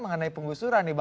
mengenai pengusuran nih